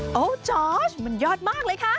โอ๊จอร์สมันยอดมากเลยค่ะ